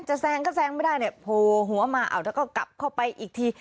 แซงก็แซงไม่ได้เนี่ยโผล่หัวมาเอาแล้วก็กลับเข้าไปอีกที